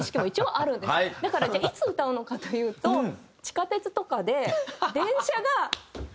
だからじゃあいつ歌うのかというと地下鉄とかで。